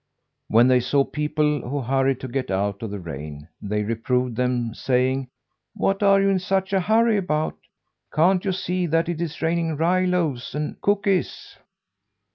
When they saw people who hurried to get out of the rain, they reproved them saying: "What are you in such a hurry about? Can't you see that it's raining rye loaves and cookies?"